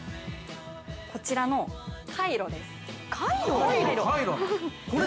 ◆こちらのカイロです。